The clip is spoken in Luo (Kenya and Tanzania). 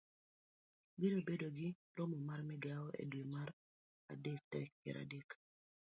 Biro bedo gi romo mar migawo e dwe mar adek tarik piero adek ,